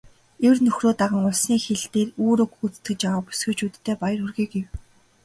"Эр нөхрөө даган улсын хил дээр үүрэг гүйцэтгэж яваа бүсгүйчүүддээ баяр хүргэе" гэв.